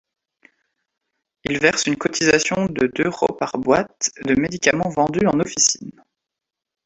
Ils versent une cotisation de d’euros par boîte de médicaments vendue en officine.